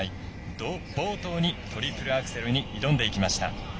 冒頭にトリプルアクセルに挑んでいきました。